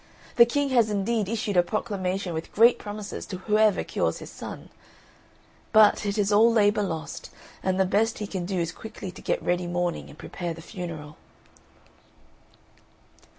The King has indeed issued a proclamation with great promises to whoever cures his son; but it is all labour lost, and the best he can do is quickly to get ready mourning and prepare the funeral."